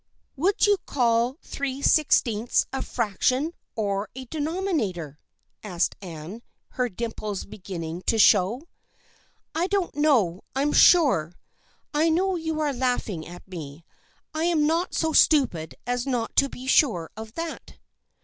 " Would you call three sixteenths a fraction or a denominator?" asked Anne, her dimples begin ning to show. " I don't know I'm sure. I know you are laugh ing at me. I am not so stupid as not to be sure of that."